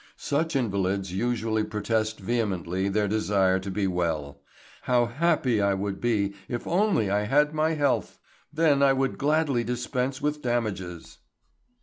Such invalids usually protest vehemently their desire to be well. "How happy would I be if only I had my health! Then I would gladly dispense with damages!"